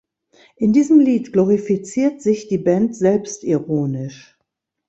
In diesem Lied glorifiziert sich die Band selbstironisch.